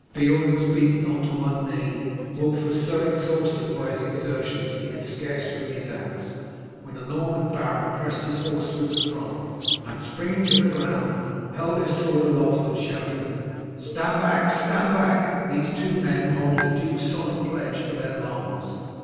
Beorn was beaten on to one knee; Wulf was so exhausted by his exertions that he could scarce swing his axe, when a Norman baron pressed his horse through the throng, and springing to the ground held his sword aloft and shouted: "Stand back! stand back! these two men hold the duke's solemn pledge for their lives!"